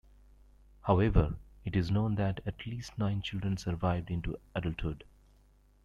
However, it is known that at least nine children survived into adulthood.